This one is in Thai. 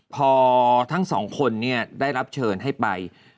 พอทั้งสองคนได้รับเชิญให้ไป